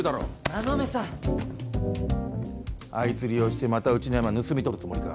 馬目さんあいつ利用してまたうちのヤマ盗み取るつもりか？